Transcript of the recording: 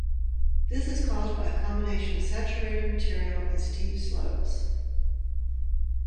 This is caused by a combination of saturated material, and steep slopes.